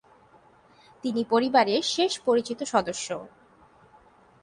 তিনি পরিবারের শেষ পরিচিত সদস্য।